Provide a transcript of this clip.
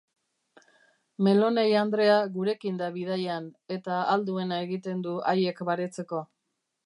Meloney andrea gurekin da bidaian, eta ahal duena egiten du haiek baretzeko.